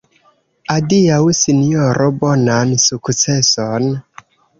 Adiaŭ, sinjoro, bonan sukceson.